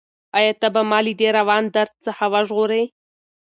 ایا ته به ما له دې روان درد څخه وژغورې؟